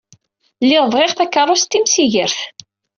Lliɣ bɣiɣ takeṛṛust timsigert.